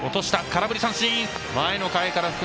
空振り三振。